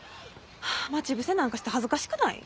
待ち伏せなんかして恥ずかしくない？